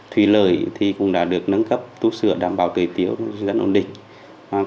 thúy lợi cũng đã được nâng cấp tút sửa đảm bảo tùy tiểu dân ổn định